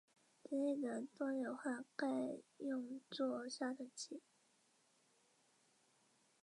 类似的多硫化钙用作杀虫剂。